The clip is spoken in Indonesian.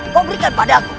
kau berikan padaku